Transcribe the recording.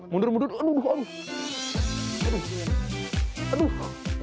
mundur mundur aduh aduh aduh